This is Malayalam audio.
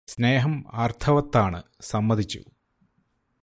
സ്നേഹം അര്ത്ഥവത്താണ് സമ്മതിച്ചു